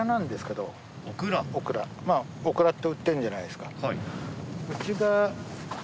オクラって売ってるじゃないですか。